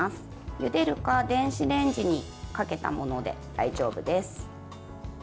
ゆでるか電子レンジにかけたもので大丈夫です。